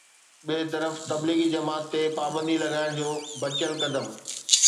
ٻئي طرف تبليغي جماعت تي پابندي لڳائڻ جو بچيل قدم